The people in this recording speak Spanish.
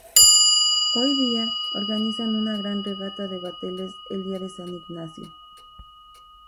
Hoy día, organizan una regata de bateles el dia de San Ignacio.